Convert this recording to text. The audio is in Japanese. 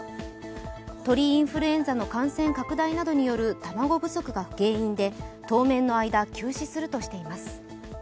鳥インフルエンザの感染拡大などによる卵不足が原因で、当面の間、休止するとしています。